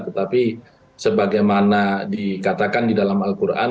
tetapi sebagaimana dikatakan di dalam al quran